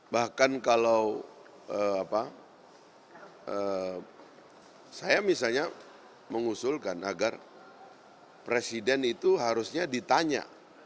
bahkan kalau saya misalnya mengusulkan agar presiden itu harusnya ditanya